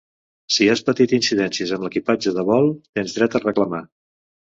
Si has patit incidències amb l'equipatge de vol tens dret a reclamar.